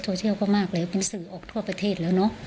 โชว์เชียลก็มากเลยเป็นสื่อออกทั่วประเทศแล้ว